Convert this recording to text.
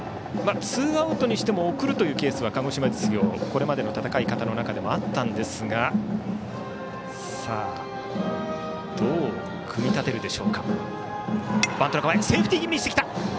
ツーアウトにしても送るケースは鹿児島実業これまでの戦い方の中でもあったんですがどう組みたてるでしょうか。